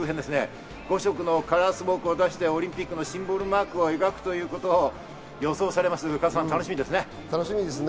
今日も国立競技場の上空周辺、５色のカラースモークを出してオリンピックのシンボルマークを描くということが予想されます、楽しみですね。